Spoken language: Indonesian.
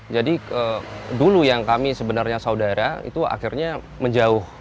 jadi dulu yang kami sebenarnya saudara itu akhirnya menjauh